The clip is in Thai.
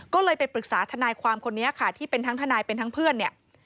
ก็เลยไปปรึกษาทนายความคนนี้ค่ะที่เป็นทั้งทนายเป็นทั้งเพื่อนเนี่ย